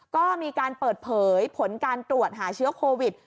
ก็มีการเปิดเผยผลการตรวจหาเชื้อโควิด